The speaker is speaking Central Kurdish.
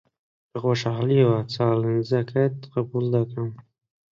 بەخۆشحاڵییەوە چالێنجەکەت قبوڵ دەکەم.